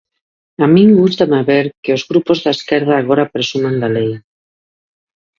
A min gústame ver que os grupos de esquerda agora presuman da lei.